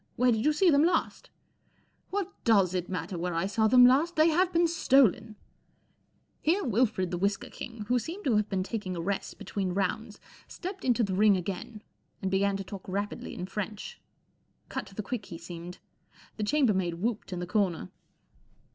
Where did you see them last ?" 44 What does it matter where I saw them last ? They have been stolen." ;jm a I from UNIVERSITY OF MICHIGAN P. G. Wodehouse 341 Here Wilfred the Whisker King, who seemed to have been taking a rest between rounds, stepped into the ring again and began to talk rapidly in French. Cut to the quick he seemed. The chambermaid whooped in the corner.